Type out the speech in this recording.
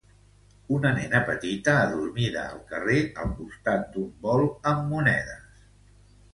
Una nena petita adormida al carrer al costat d'un bol amb monedes.